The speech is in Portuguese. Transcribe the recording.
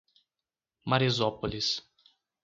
Marizópolis